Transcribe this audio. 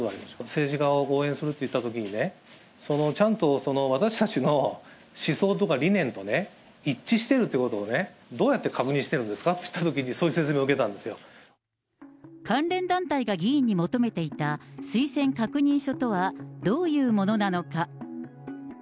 政治家を応援するといったときにね、そのちゃんと私たちの思想とか理念とね、一致してるということをね、どうやって確認してるんですかっていったときに、そういう説明を関連団体が議員に求めていた、推薦確認書とはどういうものなのか。